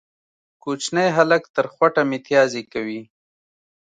کوچنی هلک تر خوټه ميتيازې کوي